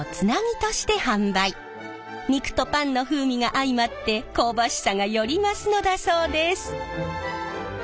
肉とパンの風味が相まって香ばしさがより増すのだそうです。